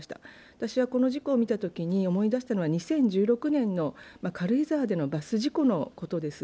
私はこの事故を見たときに思い出したのは２０１６年の軽井沢でのバス事故のことです。